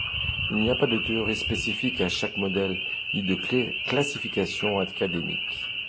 Il n'y a pas de théorie spécifique à chaque modèle ni de classification académique.